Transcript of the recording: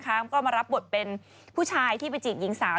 ก็มารับบทเป็นผู้ชายที่ไปจีบหญิงสาว